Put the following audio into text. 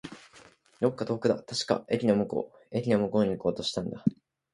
どこか遠くだ。確か、駅の向こう。駅の向こうに行こうとしたんだ。